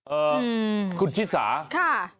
เอ่อคุณชิสาค่ะ